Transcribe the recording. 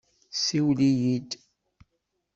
Siwel-iyi-d!